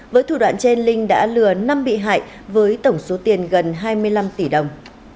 với thủ đoạn trên linh đã lừa năm bị hại với tổng số tiền gần hai mươi năm tỷ đồng